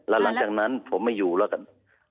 แล้วหลังจากนั้นผมไม่อยู่แล้วกัน